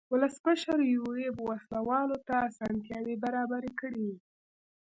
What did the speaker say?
ولسمشر یوریب وسله والو ته اسانتیاوې برابرې کړې.